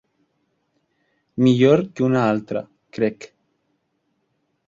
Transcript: Millor que una altra, crec.